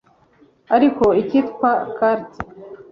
ariko icyitwa carte